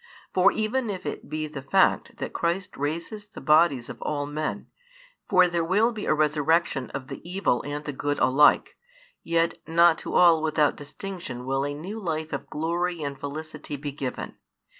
For even if it be the fact that Christ raises the bodies of all men, for there will be a resurrection of the evil and the good alike, yet not to all without distinction will a new life of glory and felicity be given.